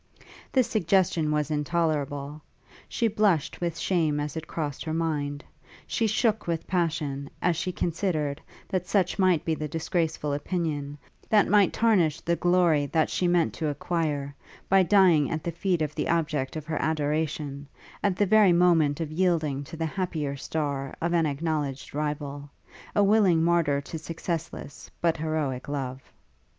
This suggestion was intolerable: she blushed with shame as it crossed her mind. She shook with passion, as she considered, that such might be the disgraceful opinion, that might tarnish the glory that she meant to acquire, by dying at the feet of the object of her adoration, at the very moment of yielding to the happier star of an acknowledged rival; a willing martyr to successless, but heroick love.